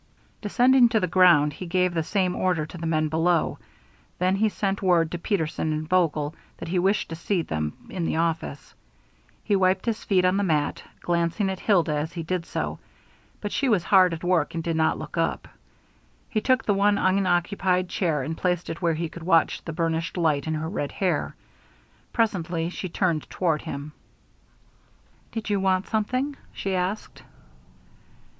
Descending to the ground, he gave the same order to the men below; then he sent word to Peterson and Vogel that he wished to see them in the office. He wiped his feet on the mat, glancing at Hilda as he did so, but she was hard at work and did not look up. He took the one unoccupied chair and placed it where he could watch the burnished light in her red hair. Presently she turned toward him. "Did you want something?" she asked.